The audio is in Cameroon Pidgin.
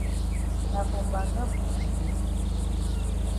Na for mbanga bush we dey.